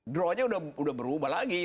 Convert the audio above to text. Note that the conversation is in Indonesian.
draw nya sudah berubah lagi